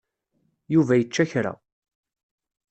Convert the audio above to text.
Yuba yečča kra.